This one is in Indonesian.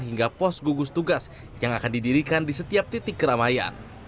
hingga pos gugus tugas yang akan didirikan di setiap titik keramaian